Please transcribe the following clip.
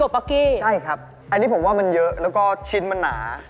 อะไรที่สอดไส้สอดไส้เป็นไงฮะ